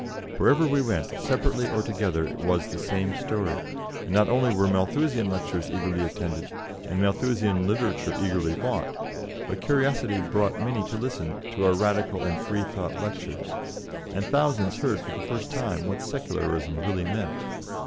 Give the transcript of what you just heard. Wherever we went, separately or together, it was the same story, and not only were Malthusian lectures eagerly attended, and Malthusian literature eagerly bought, but curiosity brought many to listen to our Radical and Freethought lectures, and thousands heard for the first time what Secularism really meant.